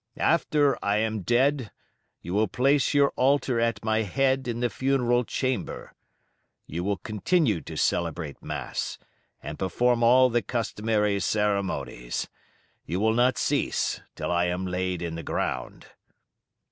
After I am dead you will place your altar at my head in the funeral chamber; you will continue to celebrate mass, and perform all the customary ceremonies; you will not cease till I am laid in the ground."